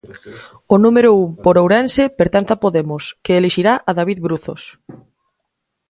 O número un por Ourense pertence a Podemos, que elixirá a David Bruzos.